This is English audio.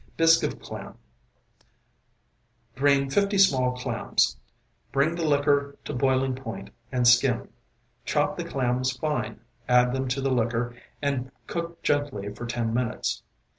BISQUE OF CLAM Drain fifty small clams. Bring the liquor to boiling point and skim. Chop the clams fine, add them to the liquor and cook gently for ten minutes.